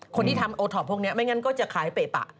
คนที่ทำโอท็อปพวกนี้ไม่งั้นก็จะขายเปะปะ